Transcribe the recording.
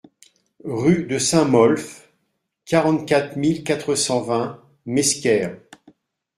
Rue de Saint-Molf, quarante-quatre mille quatre cent vingt Mesquer